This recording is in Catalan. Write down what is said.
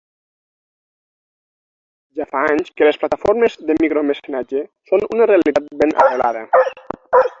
Ja fa anys que les plataformes de micromecenatge són una realitat ben arrelada.